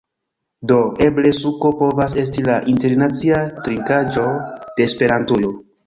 Do, eble suko povas esti la internacia trinkaĵo de Esperantujo